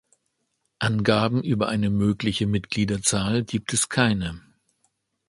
Angaben über eine mögliche Mitgliederzahl gibt es keine.